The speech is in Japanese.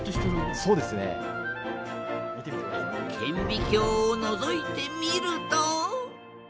顕微鏡をのぞいてみると。